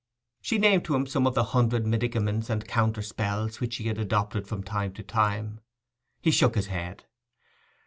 She named to him some of the hundred medicaments and counterspells which she had adopted from time to time. He shook his head.